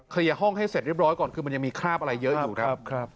ห้องให้เสร็จเรียบร้อยก่อนคือมันยังมีคราบอะไรเยอะอยู่ครับ